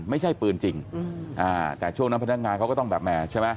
ไม่ใช่ปืนจริงแต่ช่วงนั้นพนักงานเขาก็ต้องแบบแหมใช่ไหม